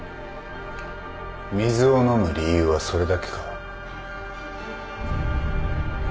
水を飲む理由はそれだけか？